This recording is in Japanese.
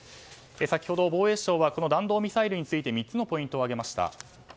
先ほど防衛省はこの弾道ミサイルについて３つのポイントを挙げました。